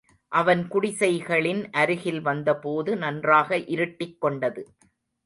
அவன் குடிசைகளின் அருகில் வந்தபோது, நன்றாக இருட்டிக்கொண்டது.